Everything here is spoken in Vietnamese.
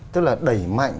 tức là đẩy mạnh